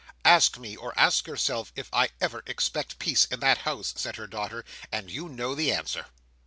"Ask me, or ask yourself, if I ever expect peace in that house," said her daughter, "and you know the answer."